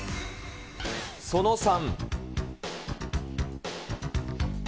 その３。